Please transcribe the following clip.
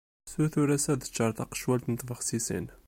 Tessuter-as ad d-teččar taqecwalt n tbexsisin.